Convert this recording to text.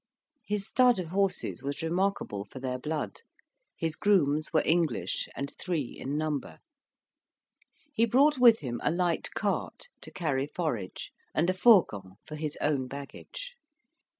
His stud of horses was remarkable for their blood, his grooms were English, and three in number. He brought with him a light cart to carry forage, and a fourgon for his own baggage.